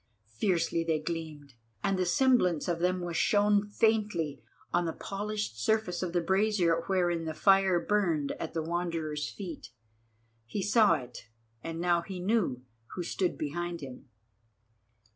Fiercely they gleamed, and the semblance of them was shown faintly on the polished surface of the brazier wherein the fire burned at the Wanderer's feet. He saw it, and now he knew who stood behind him.